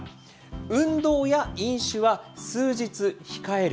運動や飲酒は、数日控える。